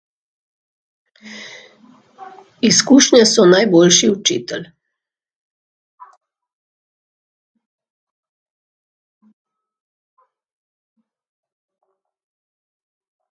Izkušnje so najboljši učitelj.